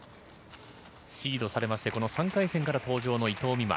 シードされましてこの３回戦から登場の伊藤美誠。